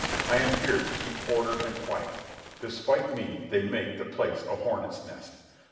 I am here to keep order and quiet. Despite me they make the place a hornets' nest.